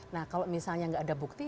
nah kalau misalnya nggak ada bukti